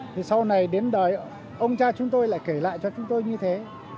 thì sau này đến đời ông cha chúng tôi lại kể lại cho chúng tôi như thế